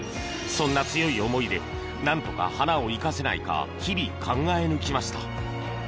そんな強い思いでなんとか花を生かせないか日々考え抜きました。